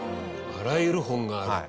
あらゆる本がある。